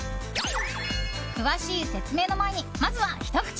詳しい説明の前にまずはひと口。